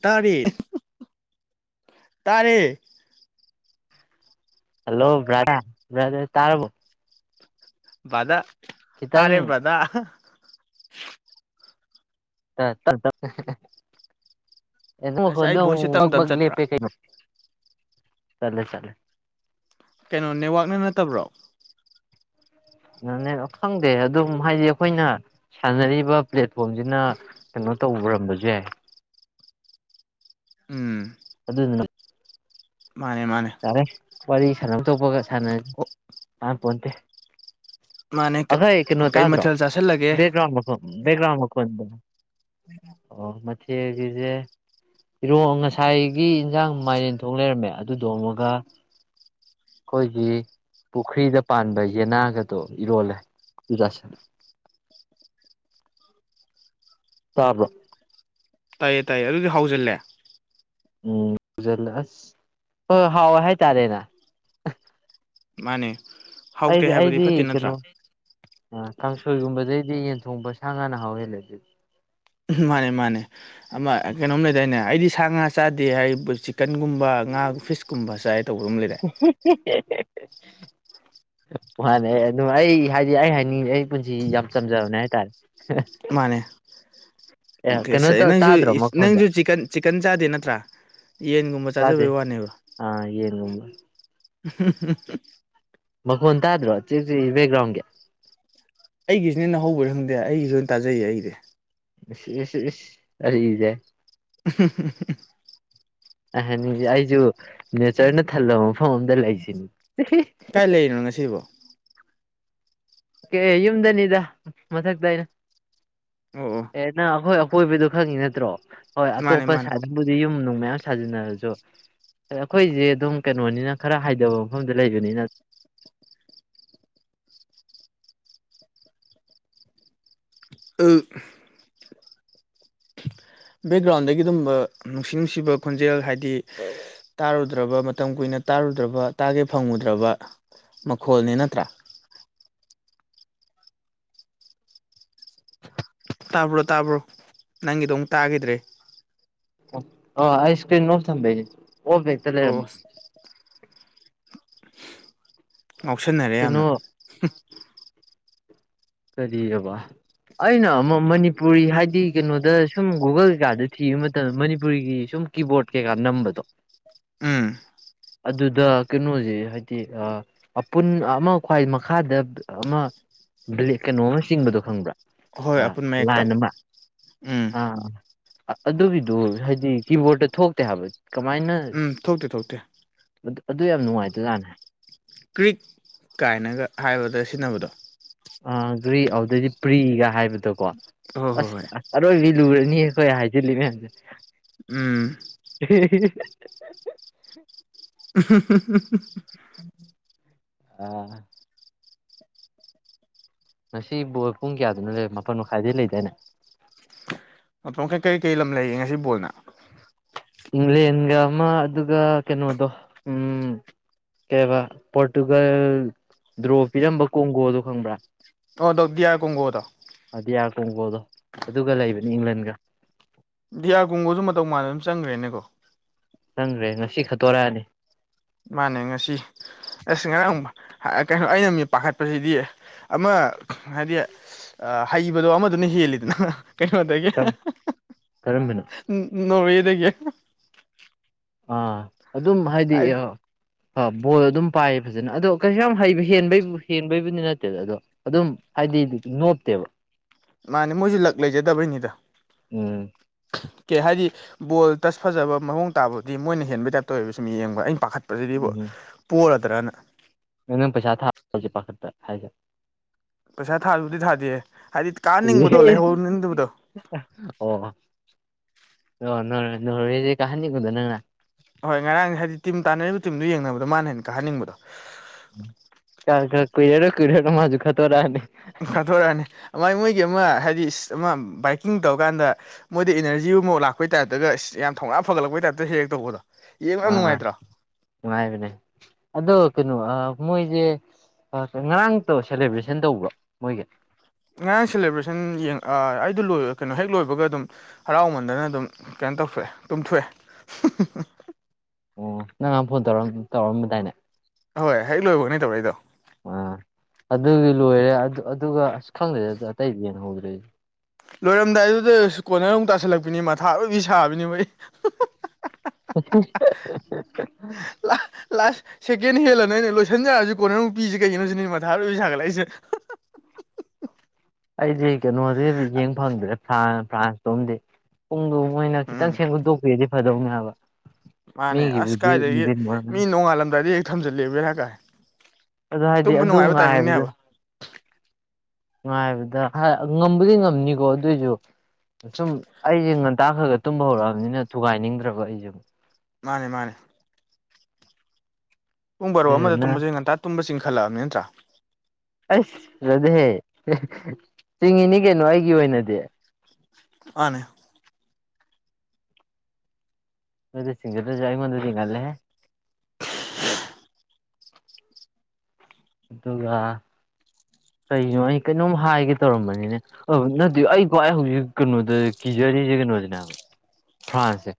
ꯇꯥꯔꯦ ꯇꯥꯔꯦ ꯍꯜꯂꯣ ꯇꯥꯔꯕꯣ ꯕꯔꯗꯔ ꯇꯥꯔꯦ ꯈꯤꯇꯪ ꯕꯔꯗꯔ ꯇ ꯇ ꯇ ꯑꯁ ꯑꯩ ꯚꯣꯏꯁꯁꯦ ꯇꯝ ꯇꯝ [inaudible] ꯆꯠꯄ꯭ꯔꯥ ꯆꯠꯂꯦ ꯆꯠꯂꯦ ꯀꯩꯅꯣ ꯅꯦꯠꯋꯥꯛꯅ ꯅꯠꯇꯕ꯭ꯔꯣ ꯅꯦꯠ ꯈꯪꯗꯦ ꯑꯗꯨꯝ ꯍꯥꯏꯗꯤ ꯑꯩꯈꯣꯏꯅ ꯁꯥꯟꯅꯔꯤꯕ ꯄ꯭ꯂꯦꯠꯐꯣꯝꯁꯤꯅ ꯀꯩꯅꯣ ꯇꯧꯔꯝꯕꯁꯨ ꯎꯝ ꯑꯗꯨꯗ ꯃꯥꯅꯦ ꯃꯥꯅꯦ ꯋꯥꯔꯤ ꯁꯥꯟꯐꯝ ꯊꯣꯛꯄꯒ ꯁꯥꯟꯅꯅꯤ ꯑꯣ ꯀꯥꯟ ꯄꯣꯟꯇꯦ ꯃꯥꯅꯦ ꯑꯩꯈꯣꯏ ꯀꯩꯅꯣ ꯀꯩ ꯇꯥꯗ꯭ꯔꯣ ꯃꯊꯦꯜ ꯆꯥꯁꯤꯜꯂꯒꯦ ꯕꯦꯛꯒ꯭ꯔꯥꯎꯟ ꯃꯈꯣꯟ ꯕꯦꯛꯒ꯭ꯔꯥꯎꯟ ꯃꯈꯣꯟꯗꯣ ꯑꯣ ꯃꯊꯦꯜꯒꯤꯖꯦ ꯏꯔꯣ ꯉꯁꯥꯏꯒꯤ ꯌꯦꯟꯖꯥꯡ ꯃꯥꯏꯔꯦꯟꯊꯣꯡ ꯂꯩꯔꯝꯃꯦ ꯑꯗꯨꯗꯣ ꯑꯃꯨꯒ ꯑꯩꯈꯣꯏꯒꯤ ꯄꯨꯈ꯭ꯔꯤꯗ ꯄꯥꯟꯕ ꯌꯦꯅꯥꯒꯗꯣ ꯏꯔꯣꯜꯂꯦ ꯖꯥꯁꯤꯟ ꯇꯥꯕ꯭ꯔꯣ ꯇꯥꯏꯌꯦ ꯇꯥꯏꯌꯦ ꯑꯗꯨꯗꯤ ꯍ ꯍꯧꯖꯤꯜꯂꯦ ꯎꯝꯜꯂ ꯑꯁ ꯍꯣꯏꯣꯏ ꯍꯥꯎꯋꯦ ꯍꯥꯏꯇꯥꯔꯦꯅ ꯃꯥꯅꯦ ꯍꯥꯎꯇꯦ ꯑꯩꯗꯤ ꯍꯥꯏꯕꯗꯤ ꯑꯩꯗꯤ ꯐꯠꯇꯦ ꯅꯠꯇ꯭ꯔꯥ ꯀꯩꯅꯣ ꯑ ꯀꯥꯡꯁꯣꯏꯒꯨꯝꯕꯗꯩꯗꯤ ꯌꯦꯟ ꯊꯣꯡꯕ ꯁꯥ ꯉꯥꯅ ꯍꯥꯎꯍꯦꯜꯂꯦ ꯑꯗꯨꯗꯤ ꯃꯥꯅꯦ ꯃꯥꯅꯦ ꯑꯃ ꯀꯩꯅꯣꯝ ꯂꯩꯗꯥꯏꯅꯦ ꯑꯩꯗꯤ ꯁꯥ ꯉꯥ ꯆꯥꯗꯦ ꯍꯥꯏ ꯆꯤꯛꯀꯟꯒꯨꯝꯕ ꯉꯥ ꯐꯤꯁꯀꯨꯝꯕ ꯆꯥꯏ ꯇꯧꯕ ꯑꯃ ꯂꯩꯗꯥꯏ ꯃꯥꯅꯦ ꯑꯗꯨꯝ ꯑꯩ ꯍꯥꯏꯗꯤ ꯑꯩ ꯍꯥꯏꯅꯤꯡꯉꯤꯖꯦ ꯑꯩ ꯄꯨꯟꯖꯤ ꯌꯥꯝ ꯆꯝꯖꯕꯅꯦ ꯍꯥꯏꯇꯥꯔꯦ ꯃꯅꯦ ꯑꯦ ꯀꯩꯅꯣ ꯅꯪꯁꯦ ꯇꯧ ꯇꯥꯗ꯭ꯔꯣ ꯃꯈꯣꯟꯁꯦ ꯅꯪꯁꯦ ꯆꯤꯀꯟ ꯆꯤꯛꯀꯟ ꯆꯥꯗꯦ ꯅꯠꯇ꯭ꯔꯥ ꯌꯦꯟꯒꯨꯝꯕ ꯇꯥꯗꯦ ꯆꯥꯖꯕꯩ ꯋꯥꯅꯦꯕꯥ ꯑꯥ ꯌꯦꯟꯒꯨꯝꯕ ꯃꯈꯣꯟ ꯇꯥꯗ꯭ꯔꯣ ꯆꯤꯔꯤꯛ ꯕꯦꯛꯒ꯭ꯔꯥꯎꯟꯒꯤ ꯑꯩꯒꯤꯁꯤꯅꯦ ꯅ ꯍꯧꯕꯅꯤ ꯈꯪꯗꯦ ꯑꯩꯒꯤꯁꯨ ꯑꯣꯏꯅ ꯇꯥꯖꯩꯌꯦ ꯑꯩꯁꯦ ꯏꯁ ꯏꯁ ꯏꯁ [unintelligible] ꯑꯩ ꯍꯅꯤꯉꯤꯁꯦ ꯑꯩꯁꯨ ꯅꯦꯆꯔꯅ ꯊꯜꯂꯕ ꯃꯐꯝ ꯑꯝꯗ ꯂꯩꯁꯤꯅꯤ ꯀꯥꯏ ꯂꯩꯔꯤꯅꯣ ꯉꯁꯤꯕꯣ ꯀꯩ ꯌꯨꯝꯗꯅꯤꯗ ꯃꯊꯛꯇ ꯑꯩꯅ ꯑꯣ ꯑꯣ ꯑꯦ ꯅ ꯑꯩꯈꯣꯏ ꯀꯣꯏꯕꯗꯨ ꯈꯪꯉꯤ ꯅꯠꯇ꯭ꯔꯣ ꯍꯣꯏ ꯃꯥꯅꯦ ꯑꯇꯣꯞꯄ ꯃꯥꯅꯦ ꯁꯥꯏꯠꯇꯕꯨꯗꯤ ꯌꯨꯝ ꯅꯨꯡ ꯃꯌꯥꯝ ꯁꯥꯖꯤꯟꯅꯔꯁꯨ ꯑꯩꯈꯣꯏꯁꯦ ꯑꯗꯨꯝ ꯀꯩꯅꯣꯅꯤꯅ ꯈꯔ ꯍꯥꯏꯊꯕ ꯃꯐꯝꯗ ꯂꯩꯕꯅꯤꯅ [unintelligible] [unintelligible] [inaudible] ꯕꯦꯛꯒ꯭ꯔꯥꯎꯟꯗꯒꯤ ꯑꯗꯨꯕ ꯅꯨꯡꯁꯤ ꯅꯨꯡꯁꯤꯕ ꯈꯣꯟꯖꯦꯜ ꯍꯥꯏꯗꯤ ꯇꯥꯔꯨꯗ꯭ꯔꯕ ꯃꯇꯝ ꯀꯨꯏꯅ ꯇꯥꯔꯨꯗ꯭ꯔꯕ ꯇꯥꯒꯦ ꯐꯪꯉꯨꯗ꯭ꯔꯕ ꯃꯈꯣꯜꯅꯤ ꯅꯠꯇ꯭ꯔꯥ ꯇꯥꯕ꯭ꯔꯣ ꯇꯥꯕ꯭ꯔꯣ ꯅꯪꯒꯤꯗꯣ ꯑꯃꯨꯛ ꯇꯥꯒꯤꯗ꯭ꯔꯦ ꯑ ꯑꯩꯁ ꯀ꯭ꯔꯤꯝ ꯂꯐ ꯊꯝꯕꯩꯁꯦ ꯑꯣꯐ ꯍꯦꯛꯇ ꯑꯣ ꯂꯩꯔꯝꯕ ꯉꯥꯎꯁꯟꯅꯔꯦ ꯀꯩꯅꯣ ꯌꯥꯝꯅ ꯀꯔꯤꯑꯕ ꯑꯩꯅ ꯑꯃ ꯃꯅꯤꯄꯨꯔꯤ ꯍꯥꯏꯗꯤ ꯀꯩꯅꯣꯗ ꯁꯨꯝ ꯒꯨꯒꯜ ꯀꯩꯀꯥꯗ ꯊꯤꯕ ꯃꯇꯝꯗ ꯃꯅꯤꯄꯨꯔꯤꯒꯤ ꯁꯨꯝ ꯀꯤꯕꯣꯔꯠ ꯀꯩꯀꯥ ꯅꯝꯕꯗꯣ ꯎꯝ ꯑꯗꯨꯗ ꯀꯩꯅꯣꯁꯦ ꯍꯥꯏꯗꯤ ꯑꯄꯨꯟ ꯑꯃ ꯈ꯭ꯋꯥꯏ ꯃꯈꯥꯗ ꯑꯃ ꯕ꯭ꯂꯦꯛ ꯀꯩꯅꯣ ꯑꯃ ꯆꯤꯡꯕꯗꯣ ꯈꯪꯕ꯭ꯔꯥ ꯍꯣꯏ ꯑꯄꯨꯟ ꯃꯌꯦꯛꯇꯣ ꯂꯥꯏꯟ ꯑꯃ ꯎꯝ ꯑ ꯑꯗꯨꯒꯤꯗꯨ ꯍꯥꯏꯗꯤ ꯀꯤꯕꯣꯔꯠꯇ ꯊꯣꯛꯇꯦ ꯍꯥꯏꯕ ꯀꯃꯥꯏꯅ ꯎꯝ ꯊꯣꯛꯇꯦ ꯊꯣꯛꯇꯦ ꯑꯗꯨ ꯌꯥꯝ ꯅꯨꯡꯉꯥꯏꯇꯖꯥꯅꯦ ꯀ꯭ꯔꯤꯛ ꯀꯥꯏꯅꯒ ꯍꯥꯏꯕꯗ ꯁꯤꯖꯤꯟꯅꯕꯗꯣ ꯔꯤ ꯑꯗꯨꯗꯗꯤ ꯄ꯭ꯔꯤꯒ ꯍꯥꯏꯕꯗꯣꯀꯣ ꯍꯣꯏ ꯍꯣꯏ ꯑꯁ ꯍꯣꯏ ꯑꯔꯣꯏꯕꯤ ꯂꯨꯔꯅꯤꯍꯦ ꯈꯣꯏꯅ ꯍꯥꯏꯖꯂꯩꯖꯦ ꯎꯝ ꯏꯍ ꯎꯍꯝ ꯍꯝ ꯑ ꯉꯁꯤ ꯕꯣꯏ ꯄꯨꯡ ꯀꯌꯥꯗꯨꯅꯣ ꯂꯩ ꯃꯥꯄꯜ ꯃꯈꯥꯏꯗꯩ ꯂꯩꯗ ꯏꯅꯦ ꯃꯇꯝ ꯀꯩ ꯀꯩ ꯀꯩ ꯂꯝ ꯂꯩꯌꯦꯦ ꯉꯁꯤ ꯕꯣꯜꯅ ꯏꯪꯂꯦꯟꯒ ꯑꯃ ꯑꯗꯨꯒ ꯎꯟ ꯀꯩꯅꯣꯗꯣ ꯎꯟ ꯀꯩꯕ ꯄꯣꯔꯇꯨꯒꯜ ꯗ꯭ꯔꯣ ꯄꯤꯔꯝꯕ ꯀꯣꯡꯒꯣꯗ ꯀꯨꯪꯕꯔꯥ ꯑꯣ ꯗꯗꯤ ꯌꯥ ꯀꯣꯣꯡ ꯀꯗꯣ ꯀꯣꯪꯀꯣꯗꯣ ꯑꯗꯨꯒ ꯂꯩꯕꯅꯦ ꯑꯦꯡꯂꯥꯟꯗ ꯀꯥ ꯗꯤꯌꯥꯒꯨꯝꯒꯁꯨ ꯃꯇꯧ ꯃꯥꯟꯅ ꯑꯗꯨꯝ ꯆꯪꯈ꯭ꯔꯦꯅꯦꯅꯥꯀꯣ ꯆꯪꯈ꯭ꯔꯦ ꯉꯁꯤ ꯈꯠꯇꯣꯔꯛꯑꯅ ꯃꯥꯅꯦ ꯉꯁꯤ ꯑꯁ ꯉꯔꯥꯡ ꯀꯩꯍꯥꯏꯕ ꯑꯩꯅꯥ ꯃꯤꯠꯄꯈꯠꯞꯁꯤꯗꯤ ꯑꯃꯥ ꯍꯨꯗꯦ ꯑ ꯍꯩꯕꯗꯣ ꯑꯃꯗꯨꯅ ꯍꯦꯜꯂꯤꯗꯅ ꯀꯩꯅꯣꯗꯒꯤ ꯀꯔꯝꯕꯅꯣ ꯅꯣꯔꯦꯗꯒꯤ ꯑꯥ ꯑꯗꯨꯝ ꯍꯥꯏꯗꯤ ꯕꯣꯜ ꯑꯗꯨꯝ ꯄꯥꯏꯌꯦ ꯐꯖꯅ ꯑꯗꯣ ꯀꯩꯁꯨ ꯌꯥꯝ ꯍꯩꯕ ꯍꯦꯟꯕꯩꯕꯨ ꯍꯦꯟꯕꯩꯕꯨꯗꯤ ꯅꯠꯇꯦꯗ ꯑꯗꯣ ꯑꯗꯨꯝ ꯍꯥꯏꯗꯤ ꯅꯣꯞꯇꯦꯕ ꯃꯥꯅꯦ ꯃꯣꯏꯁꯨ ꯂꯛ ꯂꯩꯖꯗꯕꯩꯅꯤꯗ ꯎꯝ ꯀꯦ ꯍꯥꯏꯗꯤ ꯕꯣꯜ ꯇꯁ ꯐꯖꯕ ꯃꯑꯣꯡ ꯇꯥꯕꯕꯨꯗꯤ ꯃꯣꯏꯅ ꯍꯦꯟꯕꯩ ꯇꯥꯏꯞꯇꯧꯑꯥꯕꯁꯤ ꯃꯤ ꯌꯦꯡꯕ ꯑꯩꯅ ꯄꯥꯈꯠ ꯄꯥꯁꯤꯗꯤꯕꯣ ꯄꯣꯂꯗ꯭ꯔꯅ ꯅ ꯅꯪ ꯄꯩꯁꯥ ꯊꯥꯁꯤ ꯄꯥꯈꯠꯇ ꯍꯥꯏꯁꯦ ꯄꯩꯁꯥ ꯊꯥꯕꯨꯗꯤ ꯊꯥꯗꯦ ꯍꯥꯏꯗꯤ ꯀꯥꯍꯟꯅꯤꯡꯕꯗꯣ ꯂꯩꯍꯧꯅꯤꯡꯗꯕꯗꯣ ꯑꯣ ꯑꯣ ꯅ ꯅꯔꯦ ꯀꯍꯥꯅꯤꯑꯣꯗꯅ ꯅꯪꯅ ꯍꯣꯏ ꯉꯔꯥꯡꯁꯦ ꯍꯥꯏꯗꯤ ꯇꯤꯝ ꯇꯥꯟꯅꯔꯤꯕ ꯇꯤꯝꯗꯨ ꯌꯦꯡꯅꯕꯗꯣ ꯃꯥꯅ ꯍꯦꯟꯅ ꯀꯥꯍꯟꯅꯤꯡꯕꯗꯣ ꯀ ꯀ ꯀꯨꯏꯔꯦꯒꯥ ꯀꯨꯏꯔꯒꯥ ꯃꯥꯖꯨ ꯈꯔꯇꯧꯔꯥꯅꯤ ꯀꯥꯊꯣꯔꯛꯑꯅꯤ ꯃꯥꯏ ꯃꯣꯏꯒꯤ ꯑꯃ ꯍꯥꯏꯗꯤ ꯏꯁ ꯑꯃ ꯕꯥꯏꯛꯀꯤꯡ ꯇꯧꯔꯀꯥꯟꯗ ꯃꯣꯏꯗ ꯏꯅꯔꯖꯤ ꯑꯃꯥꯎ ꯂꯥꯛꯄꯩ ꯇꯥꯏꯞꯇꯒ ꯏꯁ ꯌꯥꯝ ꯊꯧꯅꯥ ꯐꯒꯠꯂꯛꯄꯩ ꯍꯦꯛ ꯇꯧꯕꯗꯣ ꯌꯦꯡꯕ ꯌꯥꯝ ꯑꯥ ꯑꯥ ꯅꯨꯡꯉꯥꯏꯇ꯭ꯔꯣ ꯅꯨꯡꯉꯥꯏꯕꯅꯦ ꯑꯗꯣ ꯀꯩꯅꯣ ꯃꯣꯏꯁꯦ ꯉꯔꯥꯡ ꯇ ꯁꯦꯂꯦꯕ꯭ꯔꯦꯁꯟ ꯇꯧꯕ ꯃꯣꯏꯒ ꯉꯔꯥꯡ ꯁꯦꯂꯦꯕ꯭ꯔꯦꯁꯟ ꯑꯥ ꯑꯩꯗꯣ ꯂꯣꯏ ꯀꯩꯅꯣ ꯍꯦꯛ ꯂꯣꯏꯕꯒ ꯑꯗꯨꯝ ꯍꯔꯥꯎꯃꯟꯗꯅ ꯑꯗꯨꯝ ꯀꯩꯅ ꯇꯧꯊꯣꯛ ꯑꯥ ꯇꯨꯝꯊꯣꯑꯦ ꯑꯣ ꯅꯪꯅꯥꯟꯐꯣꯟ ꯇꯧꯔ ꯇꯧꯔꯝꯕꯗꯥꯏꯅꯦ ꯍꯣꯏ ꯍꯦꯛ ꯂꯣꯏꯕꯒꯅꯤ ꯇꯧꯔꯛꯑꯩꯗꯣ ꯑꯥ ꯑꯗꯨꯒꯤ ꯂꯣꯏꯔꯦ ꯑꯗꯨꯒ ꯑꯁ ꯈꯪꯗ꯭ꯔꯦ ꯑꯗꯨ ꯑꯇꯩꯗꯤ ꯌꯦꯡ ꯍꯧꯗ꯭ꯔꯦꯗꯤ ꯂꯣꯏꯔꯝꯗꯥꯏ ꯑꯗꯨꯗ ꯀꯣꯟꯅꯔ ꯑꯃꯨꯛ ꯇꯥꯁꯜꯂꯛꯄꯅꯤ ꯃꯊꯥ ꯂꯣꯏꯕꯤ ꯁꯥꯕꯅꯤ ꯃ ꯑꯩ ꯂꯥ [unintelligible] ꯂꯥꯁ ꯁꯦꯀꯦꯟ ꯍꯦꯜꯂꯅ ꯑꯩꯅ ꯂꯣꯏꯁꯤꯟꯖꯔꯑꯁꯤ ꯀꯣꯟꯅꯨꯄꯤꯁꯦ ꯀꯩꯒꯤꯅꯣꯁꯤ ꯅ ꯃꯊꯥꯔꯏ ꯁꯥꯒꯠꯂꯛꯏꯁꯦ [inaudible] ꯑꯩꯗꯤ ꯀꯩꯅꯣꯗꯤ ꯌꯦꯡ ꯐꯪꯗ꯭ꯔꯦ ꯐꯥꯟ ꯐ꯭ꯔꯥꯟꯁꯇꯣꯝꯗꯤ ꯄꯨꯡꯗꯣ ꯃꯣꯏꯅ ꯈꯤꯇꯪ ꯎꯝ ꯁꯦꯝꯒꯠꯇꯣꯛꯄꯤꯗꯤ ꯐꯗꯧꯅꯦꯕ ꯃꯥꯅꯦ ꯑꯁ ꯀꯥꯏꯗꯒꯤ ꯃꯤ ꯑꯣꯏꯔꯝꯒꯅꯤ ꯅꯣꯡꯉꯥꯜꯂꯝꯗꯥꯏꯗ ꯍꯦꯛ ꯊꯝꯖꯤꯜꯂꯦꯕꯦꯔꯥ ꯀꯥꯏ ꯑꯗꯣ ꯍꯥꯏꯗꯤ ꯇꯨꯝꯕ ꯑꯗꯨ ꯅꯨꯡꯉꯥꯏꯕ ꯇꯥꯏꯃꯤꯡꯅꯦ ꯉꯥꯏꯕꯗ ꯍꯥꯏꯕ ꯉꯥꯏꯕꯗ ꯉꯝꯝꯕꯗꯤ ꯉꯝꯅꯤꯀꯣ ꯑꯗꯨꯑꯣꯏꯁꯨ ꯁꯨꯝ ꯑꯩꯁꯦ ꯍꯇꯥꯥꯛꯈ꯭ꯔꯒ [unintelligible] ꯇꯨꯝꯕ ꯍꯧꯔꯛꯑꯕꯅꯤꯅ ꯊꯨꯒꯥꯏꯅꯤꯡꯗ꯭ꯔꯕ ꯑꯩꯁꯨ ꯃꯥꯅꯦ ꯃꯥꯅꯦ ꯄꯨꯡꯕꯔꯣ ꯑꯃꯗ ꯑꯗꯨꯗꯨꯅ ꯇꯨꯝꯕꯁꯤꯦ ꯉꯟꯇꯥ ꯇꯨꯝꯕ ꯆꯤꯡꯈꯠꯂꯛꯑꯕꯅꯤ ꯅꯠꯇ꯭ꯔꯥ ꯑꯁ ꯐꯆꯗꯤꯦ ꯆꯤꯡꯉꯤꯅꯤ ꯀꯩꯅꯣ ꯑꯩꯒꯤ ꯑꯣꯏꯅꯗꯤ ꯃꯅꯦ ꯃꯗꯁꯤꯡꯒꯗꯖꯏ ꯃꯗ ꯍꯥꯏ ꯑꯗꯨꯒ ꯀꯩꯅꯣ ꯑꯩ ꯀꯩꯅꯣꯝ ꯍꯥꯏꯒꯦ ꯇꯧꯔꯝꯕꯅꯤꯅꯦ ꯅꯗꯤ ꯑꯩꯀ ꯍꯧꯖꯤꯛ ꯀꯩꯅꯣꯗ ꯖꯔꯅꯤꯁꯦ ꯀꯩꯅꯣꯁꯤꯅꯦꯕ ꯐ꯭ꯔꯥꯟꯁꯁꯦ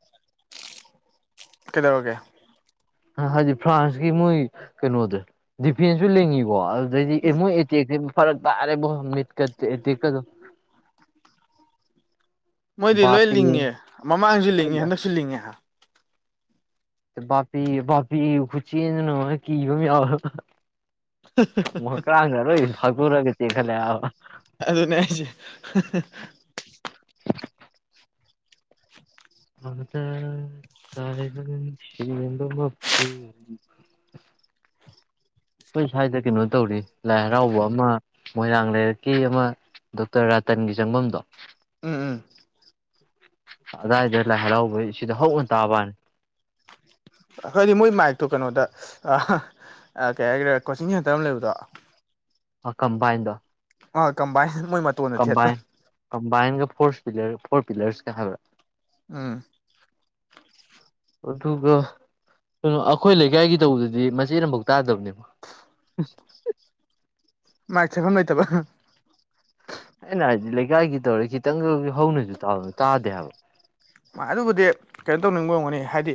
ꯀꯩꯗꯧꯒꯦ ꯍꯥꯏꯗꯤ ꯐ꯭ꯔꯥꯟꯁꯀꯤ ꯃꯣꯏ ꯀꯩꯅꯣꯗ ꯗꯤꯐꯦꯟꯁꯁꯨ ꯂꯦꯡꯉꯤꯀꯣ ꯐꯔꯛ ꯑꯔꯦ ꯃꯤꯀ ꯀꯗ ꯃꯣꯏꯗꯤ ꯂꯣꯏ ꯂꯤꯡꯉꯦ ꯃꯃꯥꯡꯁꯨ ꯂꯤꯡꯉꯦ ꯍꯟꯗꯛꯁꯨ ꯂꯤꯡꯉꯦ ꯄꯤꯄꯤ ꯈꯨꯨꯆꯅꯣ ꯀ ꯃꯀꯥꯡ ꯉꯔꯣꯏ ꯐꯒꯔꯒ ꯆꯦ ꯈꯜꯂꯦꯕ ꯑꯗꯨ ꯑꯗꯨꯅꯦꯁꯤꯦ ꯃꯗ ꯇꯔꯒꯗ [inaudible] ꯑꯩꯈꯣꯏ ꯁ꯭ꯋꯥꯏꯗ ꯀꯩꯅꯣ ꯇꯧꯔꯤ ꯂꯥꯏ ꯍꯔꯥꯎꯕ ꯑꯃ ꯃꯣꯏꯔꯥꯡ ꯂꯩꯔꯛꯀꯤ ꯑꯃ ꯗꯣꯛꯇꯔ ꯔꯥꯇꯟꯒꯤ ꯆꯪꯐꯝꯗꯣ ꯎꯝ ꯎꯝ ꯑꯏꯗꯂ ꯍꯜꯂꯥꯎꯧꯕꯩ ꯁꯤꯗ ꯍꯧꯅ ꯇꯥꯕꯅꯤ ꯑꯩꯈꯣꯏꯗꯤ ꯃꯣꯏ ꯃꯥꯏꯛꯇꯣ ꯀꯩꯅꯣꯗ ꯑ ꯀꯩ ꯍꯥꯏꯒ꯭ꯔꯦ ꯀꯣꯆꯤꯡ ꯍꯦꯟꯇꯔ ꯑꯃ ꯂꯩꯕꯗꯣ ꯑ ꯀꯝꯕꯥꯏꯟꯗ ꯑꯣ ꯀꯕꯥꯥꯏꯟ ꯀꯝꯕꯥꯏꯟ ꯀꯝꯕꯥꯏꯟꯒ ꯐꯣꯔ ꯄꯤꯂꯔ ꯐꯣꯔ ꯄꯤꯂꯔꯁꯀ ꯍꯥꯏꯕ꯭ꯔꯥ ꯎꯝ ꯑꯗꯨꯒ ꯀꯩꯅꯣ ꯑꯩꯈꯣꯏ ꯂꯩꯀꯥꯏꯒꯤ ꯇꯧꯕꯗꯗꯤ ꯃꯆꯦꯠ ꯑꯃꯐꯥꯎ ꯇꯥꯗꯕꯅꯦꯕ [inaudible] ꯃꯥꯏ ꯆꯐꯝꯐꯝ ꯂꯩꯣꯏꯇꯕ ꯑꯩꯅ ꯍꯥꯏꯗꯤ ꯂꯩꯀꯥꯏꯒꯤ ꯇꯧꯔ ꯈꯤꯇꯪꯒ ꯍꯧꯅꯁꯨ ꯇꯥꯗꯦ ꯍꯥꯏꯕ ꯑꯗꯨꯕꯨꯗꯤ ꯀꯩꯅꯣ ꯇꯧꯅꯤꯡꯕ ꯉꯝꯒꯅꯤ ꯍꯥꯏꯗꯤ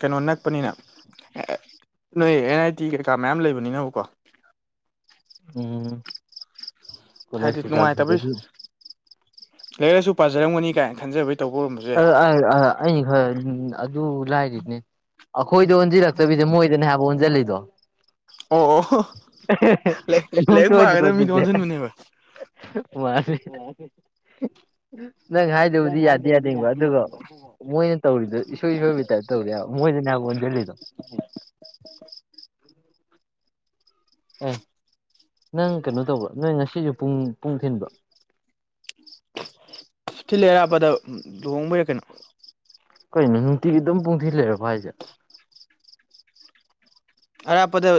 ꯀꯩꯅꯣ ꯅꯛꯄꯅꯤꯅ ꯅꯣꯏ ꯑꯦꯟ ꯑꯥꯏ ꯇꯤ ꯀꯩꯀꯥ ꯃꯌꯥꯝ ꯂꯩꯕꯅꯤꯅꯕꯀꯣ ꯎꯝ ꯀꯣꯂꯦꯖ ꯍꯥꯏꯗꯤ ꯀꯩꯀꯥ ꯅꯨꯡꯉꯥꯏꯇꯕꯩ ꯂꯤꯡꯕꯒꯤ ꯂꯥꯏꯔꯤꯛ ꯂꯥꯏꯁꯨ ꯄꯥꯖꯔꯝꯒꯅꯤ ꯀꯥꯏꯅ ꯈꯟꯖꯕꯩ ꯇꯧꯕ ꯑꯣꯏꯔꯝꯕꯁꯨ ꯑ ꯌꯥꯏ ꯍ ꯑꯗꯨ ꯂꯥꯏꯔꯤꯅꯦ ꯑꯩꯈꯣꯏꯗ ꯑꯣꯟꯁꯤꯜꯂꯛꯇꯕꯤꯗ ꯃꯣꯏꯗꯅꯦ ꯍꯥꯏꯕ ꯑꯣꯟꯁꯤꯜꯂꯤꯗꯣ ꯑꯣ ꯑꯣ ꯀ ꯂꯥꯏꯔꯤꯛ ꯑꯣꯏꯗ ꯄꯥꯒꯗꯕ ꯃꯤꯗꯣ ꯑꯗꯨꯗꯤꯦ ꯑꯣꯟꯁꯤꯟꯕꯅꯦꯕ ꯃꯥꯁ ꯅꯪ ꯍꯥꯏꯗꯕꯨꯗꯤ ꯌꯥꯗꯦ ꯌꯥꯅꯤꯡꯕ ꯑꯗꯨꯒ ꯃꯣꯏꯅ ꯇꯧꯔꯤꯗꯣ ꯏꯁꯣꯏ ꯏꯁꯣꯏꯕꯤ ꯇꯥꯏꯞꯇ ꯇꯧꯔꯤꯦꯕ ꯃꯣꯏꯗꯅꯦ ꯍꯥꯏꯕ ꯑꯣꯟꯁꯤꯜꯂꯤꯗꯣ [inaudible] ꯑꯦ ꯅꯪ ꯀꯩꯅꯣ ꯇꯧꯕ ꯅꯣꯏ ꯉꯁꯤꯁꯨ ꯄꯨꯡ ꯄꯨꯡ ꯊꯤꯟꯕ ꯁꯤꯂ ꯑꯔꯥꯞꯄꯗ ꯂꯨꯍꯣꯡꯕ ꯌꯥ ꯀꯩꯅꯣ ꯀꯩꯅꯣ ꯅꯨꯡꯇꯤꯒꯤ ꯑꯗꯨꯝ ꯄꯨꯡꯊꯤꯜ ꯂꯩꯔꯕ ꯍꯥꯏꯁꯦ ꯑꯔꯥꯞꯄꯗ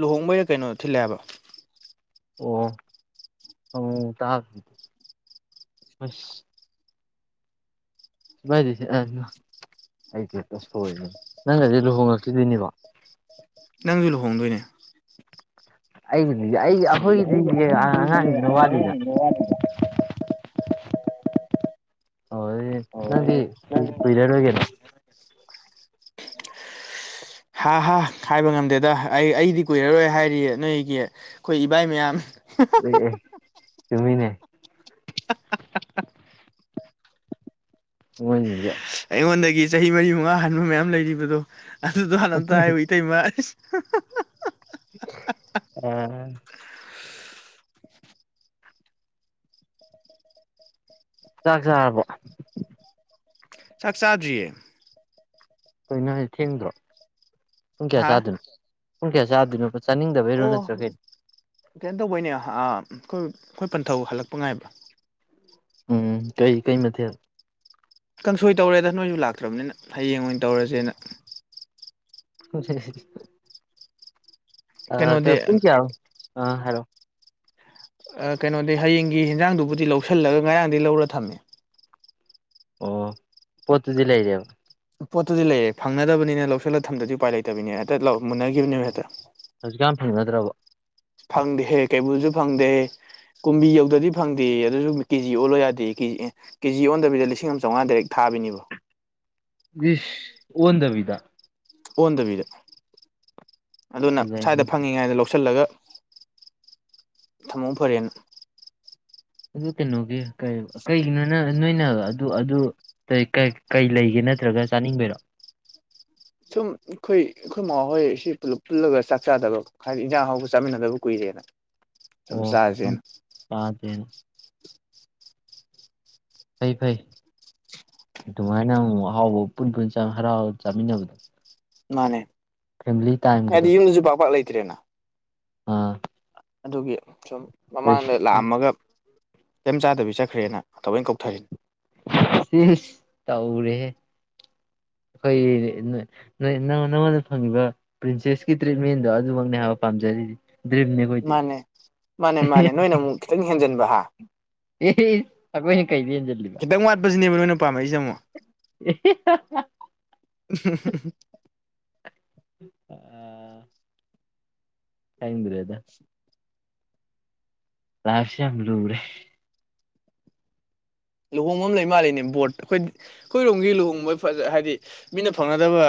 ꯂꯨꯍꯣꯡꯕꯩꯔ ꯀꯩꯅꯣ ꯊꯤꯜꯂꯦꯕ ꯑꯣ ꯑ ꯇꯥꯁ ꯃꯖꯦꯁꯤ ꯑꯔ ꯑꯩ ꯀ ꯍꯦꯛꯇ ꯁꯣꯏꯔꯤꯦ ꯅꯪꯒꯗꯤ ꯂꯨꯍꯣꯡꯂꯛꯈꯤꯗꯣꯏꯅꯦꯕ ꯅꯪꯁꯨ ꯂꯨꯍꯣꯡꯗꯣꯏꯅꯦ ꯑꯩꯒꯤꯗꯤ ꯑꯩ ꯑꯩꯈꯣꯏꯒꯤꯗꯤ ꯑꯉꯥꯡꯗꯨꯅ ꯋꯥꯠꯂꯤꯗ ꯍꯣꯏ ꯅꯪꯗꯤꯨꯏ ꯀꯨꯏꯂꯔ ꯑꯣꯏꯒꯅꯣ ꯍꯥ ꯍꯥꯥ ꯍꯥꯏꯕ ꯉꯝꯗꯦꯗ ꯑꯩ ꯑꯩꯗꯤ ꯀꯨꯏꯔꯔꯣꯏ ꯍꯥꯏꯔꯤꯌꯦ ꯅꯣꯏꯒꯤ ꯑꯩꯈꯣꯏ ꯏꯕꯥꯏ ꯃꯌꯥꯝ ꯑꯦ ꯇꯨꯃꯤꯅꯦ [unintelligible] ꯑꯩꯉꯣꯟꯗꯒꯤ ꯆꯍꯤ ꯃꯔꯤ ꯃꯉꯥ ꯍꯟꯕ ꯃꯌꯥꯝ ꯂꯩꯔꯤꯕꯗꯣ ꯑꯗꯨꯗꯣ ꯍꯥꯟꯅ ꯑꯝꯇ ꯍꯥꯏꯕ ꯏꯇꯩꯃ ꯑꯁ ꯍ ꯍ ꯍ ꯍ ꯑ ꯆꯥꯛ ꯆꯥꯔꯕꯣ ꯆꯥꯛ ꯆꯥꯥꯗ꯭ꯔꯤꯌꯦ ꯀꯩꯅꯣꯍꯥꯢꯖꯤ ꯊꯦꯡꯗ꯭ꯔꯣ ꯄꯨꯡ ꯀꯌꯥ ꯍꯥ ꯆꯥꯗꯣꯏꯅꯣ ꯄꯨꯡ ꯀꯌꯥ ꯆꯥꯗꯣꯏꯅꯣ ꯑꯣ ꯀꯩꯅꯣ ꯇꯧꯕꯩꯅꯦ ꯑꯩꯈꯣꯏ ꯑꯩꯈꯣꯏ ꯄꯟꯊꯧ ꯍꯜꯂꯛꯄ ꯉꯥꯏꯕ ꯎꯝ ꯀꯩ ꯀꯩ ꯃꯊꯦꯜ ꯀꯥꯡꯁꯣꯏ ꯇꯧꯔꯦꯗ ꯅꯣꯏꯁꯨ ꯂꯥꯛꯇ꯭ꯔꯕꯅꯤꯅ ꯍꯌꯦꯡ ꯑꯣꯏꯅ ꯇꯧꯔꯁꯦꯅ ꯎꯍꯍꯍꯍ ꯑ ꯀ ꯀꯩꯅꯣꯗꯤ ꯄꯨꯡ ꯀꯌꯥ ꯑ ꯍꯥꯢꯌꯣ ꯀꯩꯅꯣꯗꯤ ꯍꯌꯦꯡꯒꯤ ꯍꯟꯖꯥꯡꯗꯨꯕꯨꯗꯤ ꯂꯧꯁꯤꯜꯂꯒ ꯉꯔꯥꯡꯗꯒꯤꯩ ꯂꯧꯔ ꯊꯝꯃꯦ ꯑꯣ ꯄꯣꯠꯇꯨꯗꯤ ꯂꯩꯔꯕ ꯄꯣꯠꯇꯨꯗꯤ ꯂꯩꯔꯦ ꯐꯪꯅꯗꯕꯅꯤꯅ ꯂꯧꯁꯤꯜꯂꯒ ꯊꯝꯗꯗꯤ ꯎꯄꯥꯏ ꯂꯩꯇꯕꯅꯤ ꯍꯦꯛꯇ ꯃꯨꯟꯅꯈꯤꯕꯅꯦꯕ ꯍꯦꯛꯇ ꯍꯧꯖꯤꯛꯀꯥꯟ ꯐꯪꯅꯗ꯭ꯔꯕꯣ ꯐꯪꯗꯦꯍꯦ ꯀꯩꯕꯨꯜꯁꯨ ꯐꯪꯗꯦꯍꯦ ꯀꯨꯝꯕꯤ ꯌꯧꯗ꯭ꯔꯗꯤ ꯐꯪꯗꯦ ꯑꯗꯨꯁꯨ ꯀꯦꯖꯤ ꯑꯣꯜꯂꯣ ꯌꯥꯗꯦ ꯀꯦꯖꯤ ꯀꯦꯖꯤ ꯑꯣꯟꯗꯕꯤꯗ ꯂꯤꯁꯤꯡ ꯑꯃ ꯆꯥꯝꯃꯉꯥ ꯇꯔꯦꯠ ꯊꯥ ꯇꯥꯕꯤꯅꯤꯕ ꯁ ꯑꯣꯟꯗꯕꯤꯗ ꯑꯣꯟꯗꯕꯤꯗ ꯑꯗꯨꯅ ꯐꯖꯩꯅꯦ ꯁ꯭ꯋꯥꯏꯗ ꯐꯪꯉꯤꯉꯥꯏꯗ ꯂꯧꯁꯤꯜꯂꯒ ꯊꯃꯧ ꯐꯔꯦꯅ ꯑꯗꯨ ꯀꯩꯅꯣꯒꯤ ꯀꯩꯒꯤꯅꯣ ꯅꯣꯏꯅ ꯑꯗꯨ ꯀꯩ ꯂꯩꯒꯦꯅꯤ ꯅꯠꯇ꯭ꯔꯒ ꯆꯥꯅꯤꯡꯕꯩꯔꯣꯑꯣ ꯁꯨꯝ ꯑꯩꯈꯣꯏ ꯑꯩꯈꯣꯏ ꯃꯥ ꯍꯣꯏ ꯁꯤ ꯄꯨꯜꯂꯒ ꯆꯥꯛ ꯆꯥꯗꯕ ꯍꯥꯏꯗꯤ ꯏꯟꯖꯥꯡ ꯍꯥꯎꯕ ꯆꯥꯃꯤꯟꯅꯗꯕ ꯀꯨꯏꯔꯦꯅ ꯁꯨꯝ ꯑꯣ ꯍ ꯆꯥꯁꯦꯅ ꯇꯥꯗꯦꯅ ꯐꯩ ꯐꯩ ꯑꯗꯨꯃꯥꯏꯅ ꯑꯃꯨꯛ ꯑꯍꯥꯎꯕ ꯄꯨꯟ ꯄꯨꯟ ꯍꯔꯥꯎ ꯆꯥꯃꯤꯟꯅꯕꯗꯣ ꯃꯥꯅꯦ ꯐꯦꯃꯤꯂꯤ ꯍꯥꯏꯗꯤ ꯇꯥꯏꯝꯒꯗꯣ ꯌꯨꯝꯗꯁꯨ ꯄꯥꯛ ꯄꯥꯛ ꯂꯩꯇ꯭ꯔꯦꯅ ꯑꯥ ꯑꯗꯨꯒꯤ ꯁꯨꯝ ꯑꯁ ꯃꯃꯥꯡꯗ ꯂꯥꯛꯑꯝꯃꯒ ꯀꯩꯝ ꯆꯥꯗꯕꯤ ꯆꯠꯈ꯭ꯔꯦꯅ ꯑꯩꯅ ꯀꯧꯊꯔꯤꯅꯦ ꯁꯤ ꯇꯧꯔꯦꯍꯦ ꯑꯩꯈꯣꯏ ꯅ ꯅꯉꯣꯟꯗ ꯐꯪꯉꯤꯕ ꯄ꯭ꯔꯤꯟꯁꯦꯁꯀꯤ ꯇ꯭ꯔꯤꯠꯃꯦꯟꯗꯣ ꯑꯗꯨꯃꯛꯅꯦ ꯍꯥꯏꯕ ꯄꯥꯝꯖꯔꯤ ꯃꯥꯅꯦ ꯃꯥꯅꯦ ꯃꯥꯅꯦ ꯅꯣꯏꯅ ꯑꯃꯨꯛ ꯈꯤꯇꯪ ꯍꯦꯟꯖꯟꯕ ꯍꯥ ꯑꯦ ꯁꯈꯣꯏꯅꯦ ꯀꯩꯗ ꯍꯦꯟꯖꯜꯂꯤꯕ ꯁꯤꯅꯦꯕ ꯅꯣꯏꯅ ꯄꯥꯝꯃꯏꯁꯦ ꯑꯃꯨꯛ ꯑ ꯈꯪꯗ꯭ꯔ°ꯗ ꯂꯥꯢꯞꯁꯦ ꯌꯥꯝ ꯂꯨꯔꯦ ꯂꯨꯍꯣꯡꯕ ꯑꯃ ꯂꯩ ꯃꯥꯜꯂꯤꯅꯦ ꯕꯣꯔꯠ ꯑꯩꯈꯣꯏ ꯑꯩꯈꯣꯏꯔꯣꯝꯒꯤ ꯂꯨꯍꯣꯡꯕ ꯐꯖ ꯍꯥꯏꯕꯗꯤ ꯃꯤꯅ ꯐꯪꯒꯗꯕ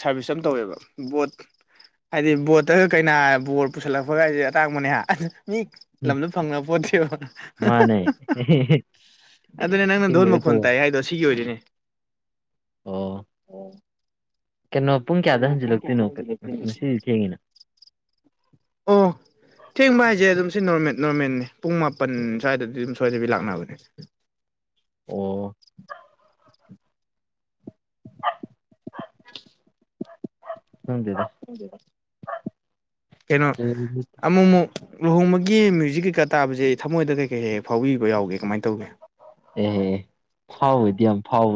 ꯁꯥꯔꯚꯤꯁ ꯑꯃ ꯇꯧꯋꯦꯕ ꯕꯣꯠ ꯍꯥꯏꯗꯤ ꯕꯣꯠꯇꯒ ꯀꯩꯅꯅꯥ ꯕꯣꯠ ꯄꯨꯁꯜꯂꯛꯄꯒꯁꯦ ꯑꯇꯥꯡꯕꯅꯦ ꯃꯤ ꯂꯝꯗ ꯐꯪꯅꯄꯣꯠꯇꯦꯕ ꯃꯥꯅꯦ ꯑꯗꯨꯅꯦ ꯅꯪꯅ ꯙꯣꯔꯃ ꯆꯤꯡꯗꯒ ꯈꯣꯟ ꯇꯥꯏ ꯇꯣꯡ ꯍꯥꯏꯗꯣ ꯁꯤꯒꯤ ꯑꯣꯏꯗꯤꯅꯦ ꯑꯣ ꯀꯩꯅꯣ ꯄꯨꯡ ꯀꯌꯥꯗ ꯍꯟꯖꯤꯜꯂꯛꯇꯣꯏꯅꯣ ꯍꯟꯖꯤꯜꯂꯛꯇꯣꯏꯅꯣ ꯃꯁꯤꯗꯤ ꯊꯦꯡꯉꯤꯅ ꯑꯣ ꯊꯦꯡꯕ ꯍꯥꯏꯁꯦ ꯑꯗꯨꯝ ꯁꯤ ꯅꯣꯔꯃꯦꯜ ꯅꯣꯔꯃꯦꯜꯅꯦ ꯄꯨꯡ ꯃꯥꯄꯟ ꯁ꯭ꯋꯥꯏꯗꯗꯤ ꯑꯗꯨꯝ ꯁꯣꯏꯗꯕꯤ ꯂꯥꯛꯅꯕꯅꯦ ꯑꯣ ꯈꯪꯗꯦꯗ ꯀꯩꯅꯣ ꯑꯃꯨꯃꯨ ꯂꯨꯍꯣꯡꯕꯒꯤ ꯃ꯭ꯌꯨꯖꯤꯛ ꯀꯩꯀꯥ ꯇꯥꯕꯁꯦ ꯊꯃꯣꯏꯗ ꯀꯩꯀꯩ ꯍꯦꯛ ꯐꯥꯎꯕꯤꯕ ꯌꯥꯎꯒꯦ ꯀꯃꯥꯏꯅ ꯇꯧꯒꯦ ꯑꯦꯍꯦ ꯐꯥꯎꯗꯤ ꯌꯥꯝ ꯐꯥꯎ